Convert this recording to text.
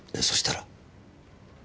そしたら？